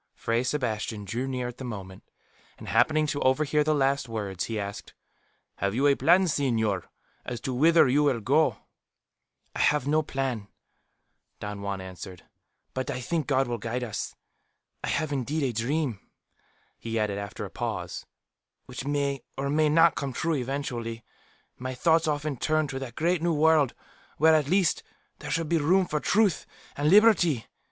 '" Fray Sebastian drew near at the moment, and happening to overhear the last words, he asked, "Have you any plan, señor, as to whither you will go?" "I have no plan," Don Juan answered. "But I think God will guide us. I have indeed a dream," he added, after a pause, "which may, or may not, come true eventually. My thoughts often turn to that great New World, where, at least, there should be room for truth and liberty.